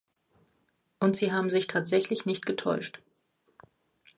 Und sie haben sich tatsächlich nicht getäuscht.